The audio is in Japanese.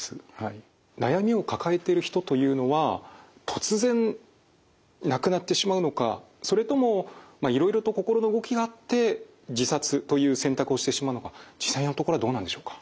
悩みを抱えている人というのは突然亡くなってしまうのかそれともいろいろと心の動きがあって自殺という選択をしてしまうのか実際のところはどうなんでしょうか？